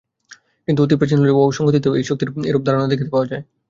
কিন্তু অতি প্রাচীন হইলেও সংহতিতেও সেই শক্তির এরূপ ধারণা দেখিতে পাওয়া যায়।